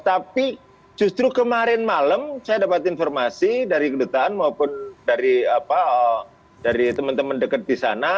tapi justru kemarin malam saya dapat informasi dari kedutaan maupun dari teman teman dekat di sana